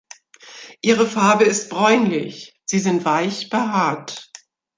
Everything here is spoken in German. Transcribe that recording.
Ihre Farbe ist bräunlich, sie sind weich behaart.